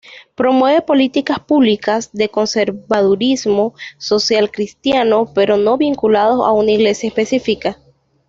Promueve políticas públicas de conservadurismo social cristiano pero no vinculados a una iglesia específica.